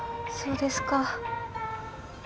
そうですか。